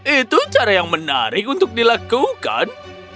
itu cara yang menarik untuk dilakukan